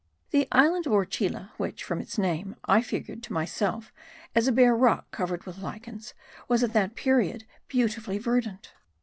The island of Orchila which, from its name, I figured to myself as a bare rock covered with lichens, was at that period beautifully verdant.